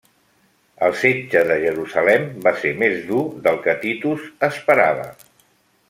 El setge de Jerusalem va ser més dur del que Titus esperava.